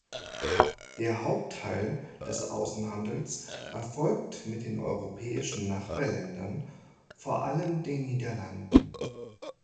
Der Hauptteil des Außenhandels erfolgt mit den europäischen Nachbarländern, vor allem den Niederlanden.